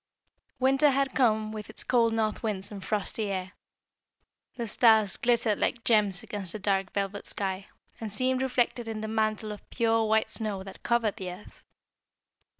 Winter had come with its cold north winds and frosty air. The stars glittered like gems against the dark velvet sky, and seemed reflected in the mantle of pure white snow that covered the earth.